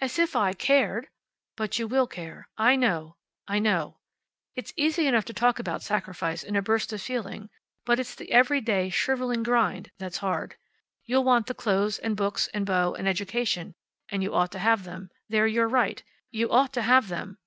"As if I cared." "But you will care. I know. I know. It's easy enough to talk about sacrifice in a burst of feeling; but it's the everyday, shriveling grind that's hard. You'll want clothes, and books, and beaux, and education, and you ought to have them. They're your right. You ought to have them!"